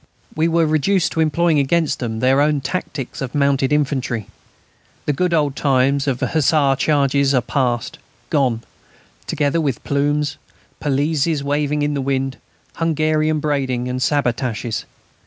We were reduced to employing against them their own tactics of mounted infantry. The good old times of hussar charges are past gone, together with plumes, pelisses waving in the wind, Hungarian braiding, and sabretaches.